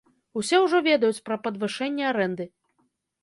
Усе ўжо ведаюць пра падвышэнне арэнды.